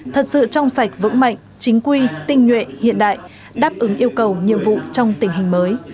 thật sự trong sạch vững mạnh chính quy tinh nhuệ hiện đại đáp ứng yêu cầu nhiệm vụ trong tình hình mới